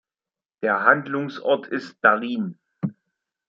Der Handlungsort ist Berlin.